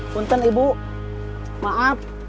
yang terima kasih